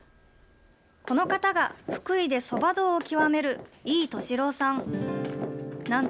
この方が福井でそば道を究める井敏朗さん。